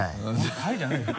「はい」じゃないよ。